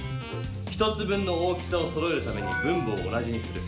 １つ分の大きさをそろえるために分母を同じにする。